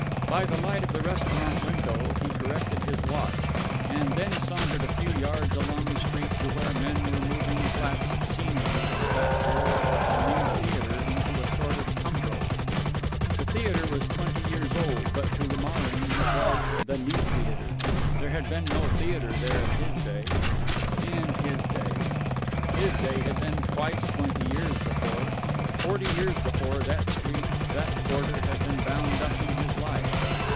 By the light of the restaurant window he corrected his watch, and then sauntered a few yards along the street, to where men were moving flats of scenery from a back door of the new theatre into a sort of tumbril. The theatre was twenty years old, but to Romarin it was "the new theatre." There had been no theatre there in his day. In his day!... His day had been twice twenty years before. Forty years before, that street, that quarter, had been bound up in his life.